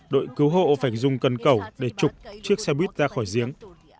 đội cứu hộ phải dùng cân cẩu để trục chiếc xe buýt ra khỏi giếng